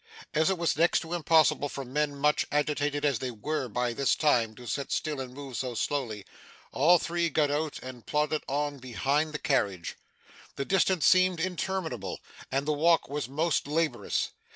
As it was next to impossible for men so much agitated as they were by this time, to sit still and move so slowly, all three got out and plodded on behind the carriage. The distance seemed interminable, and the walk was most laborious.